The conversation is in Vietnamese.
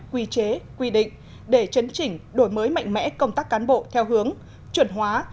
quy chế quy định để chấn chỉnh đổi mới mạnh mẽ công tác cán bộ theo hướng chuẩn hóa